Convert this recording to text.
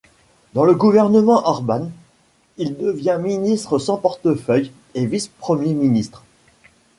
Dans le gouvernement Orbán, il devient ministre sans portefeuille et vice-Premier ministre.